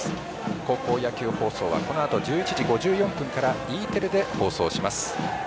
高校野球放送はこのあと１１時５４分からＥテレで放送します。